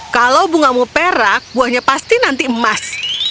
kalau bungamu perak buahnya pasti nanti emas